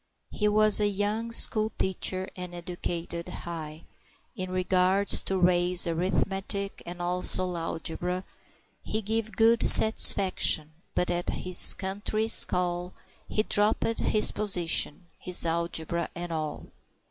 He was a young school teacher, and educated high In regards to Ray's arithmetic, and also Alegbra. He give good satisfaction, but at his country's call He dropped his position, his Alegbra and all.